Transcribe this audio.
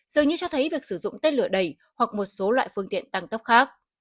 dường như cho thấy việc sử dụng tên lửa đầy hoặc một số loại phương tiện tăng tốc khác